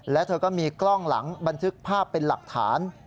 และเธอก็มีกล้องหลังบันทึกภาพเป็นหลักฐาน